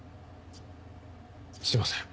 すいません。